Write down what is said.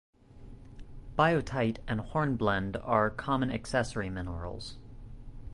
Biotite and hornblende are common accessory minerals.